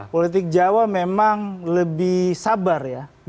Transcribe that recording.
politik jawa memang lebih sabar ya